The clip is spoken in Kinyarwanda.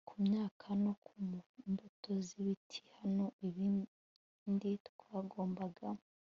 ku myaka no ku mbuto z'ibiti. naho ibindi twagombaga